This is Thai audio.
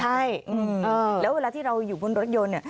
ใช่แล้วเวลาที่เราอยู่บนรถยนต์เนี่ย